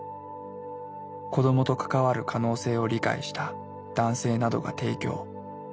子どもと関わる可能性を理解した男性などが提供。